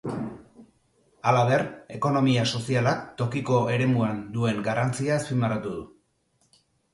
Halaber, ekonomia sozialak tokiko eremuan duen garrantzia azpimarratu du.